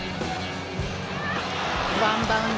ワンバウンド。